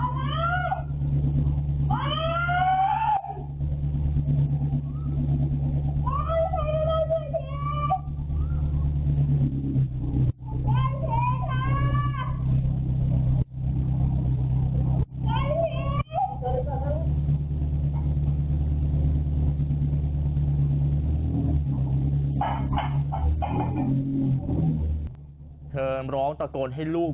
สวัสดีครับ